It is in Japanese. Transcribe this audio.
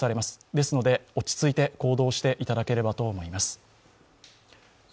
ですので、落ち着いて行動していただければと思います。